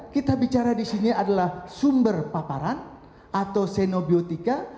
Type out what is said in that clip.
kita bicara disini adalah sumber paparan atau senobiotika